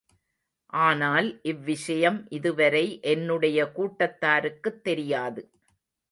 ஆனால், இவ்விஷயம் இதுவரை என்னுடைய கூட்டத்தாருக்குத் தெரியாது.